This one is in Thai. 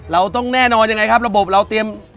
เราต้องแน่นอนยังไงครับระบบเราเตรียม